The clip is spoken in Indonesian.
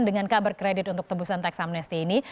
dengan kabar kredit untuk tebusan tax amnesti ini